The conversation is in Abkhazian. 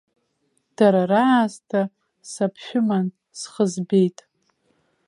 Дара раасҭа саԥшәыман схы збеит.